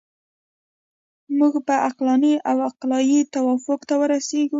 موږ به عقلاني او عقلایي توافق ته ورسیږو.